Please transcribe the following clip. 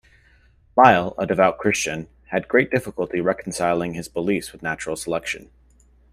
Lyell, a devout Christian, had great difficulty reconciling his beliefs with natural selection.